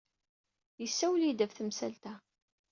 Yessawel-iyi-d ɣef temsalt-a.